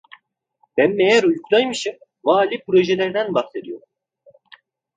Ben meğer uykudaymışım, vali projelerden bahsediyor…